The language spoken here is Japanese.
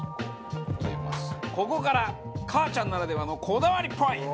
ここからかあちゃんならではのこだわりポイント！